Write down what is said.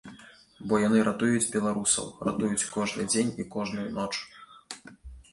Бо яны ратуюць беларусаў, ратуюць кожны дзень і кожную ноч.